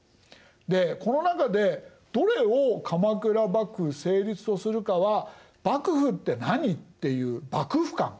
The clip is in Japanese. でこの中でどれを鎌倉幕府成立とするかは「幕府って何？」っていう幕府観。